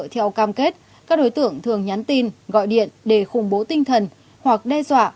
theo cam kết các đối tượng thường nhắn tin gọi điện để khủng bố tinh thần hoặc đe dọa